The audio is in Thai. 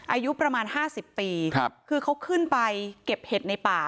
อายุประมาณ๕๐ปีคือเขาขึ้นไปเก็บเห็ดในป่า